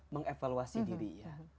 mengevaluasi diri ya